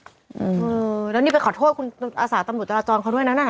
อื้อแล้วนี่ไปขอโทษคุณอาสาตร์ตำหนูตลาดจองเขาด้วยนะ